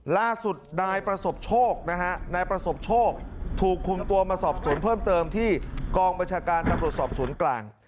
ล่าสุดนายประสบโชคนะฮะนายประสบโชคถูกคุมตัวมาสอบสวนเพิ่มเติมที่กองบัญชาการตำรวจสอบสวนกลาง